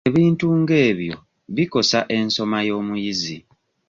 Ebintu ng'ebyo bikosa ensoma y'omuyizi.